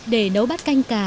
để nấu bát canh cà